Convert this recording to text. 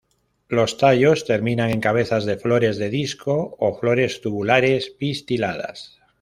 Los tallos terminan en cabezas de flores de disco o flores tubulares pistiladas.